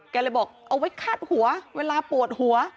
เลยบอกเอาไว้คาดหัวเวลาปวดหัว